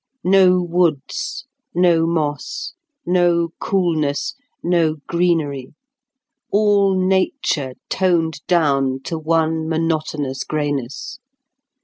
No woods, no moss, no coolness, no greenery; all nature toned down to one monotonous greyness.